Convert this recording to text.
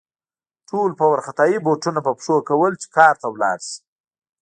ټولو په وارخطايي بوټونه په پښو کول چې کار ته لاړ شي